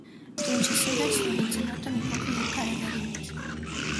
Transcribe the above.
Դունչը սուր է, ստորին ծնոտը մի փոքր երկար է վերինից։